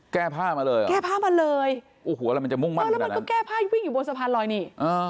แก้ผ้ามาเลยแก้ผ้ามาเลยแล้วมันก็แก้ผ้าวิ่งบนสะพานลอยนี่